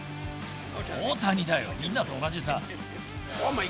大谷だよ、みんなと同じさ。